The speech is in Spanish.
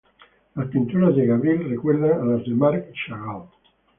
Las pinturas de Gavril recuerdan a las de Marc Chagall.